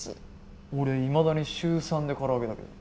俺はいまだに週３で空揚げだけど。